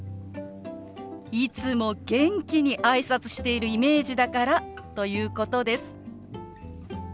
いつも元気に挨拶してるイメージだからということです。